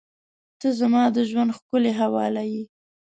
• ته زما د ژونده ښکلي حواله یې.